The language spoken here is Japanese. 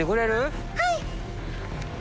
はい。